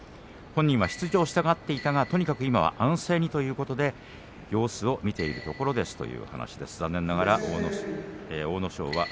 本人は出場したがっていたが安静にということで様子を見ているところですという話です。